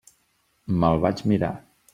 Me'l vaig mirar.